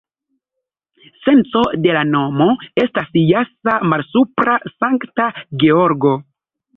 Senco de la nomo estas jasa-malsupra-Sankta-Georgo.